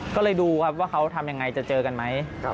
ก็เลยดูครับว่าเขาทำยังไงจะเจอกันไหม